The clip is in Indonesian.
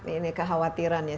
ini kekhawatiran ya